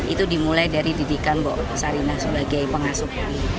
itu dimulai dari didikan sarina sebagai pengasuh